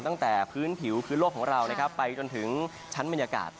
ตั้งแต่พื้นผิวพื้นโลกของเรานะครับไปจนถึงชั้นบรรยากาศ